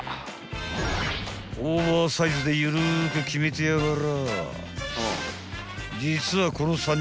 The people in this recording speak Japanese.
［オーバーサイズでゆるく決めてやがらあ］